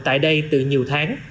tại đây từ nhiều tháng